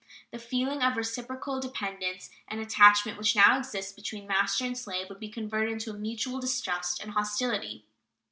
The feeling of reciprocal dependence and attachment which now exists between master and slave would be converted into mutual distrust and hostility.